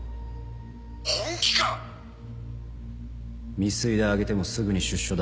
未遂で挙げてもすぐに出所だ。